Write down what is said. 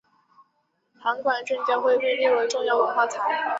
函馆正教会被列为重要文化财。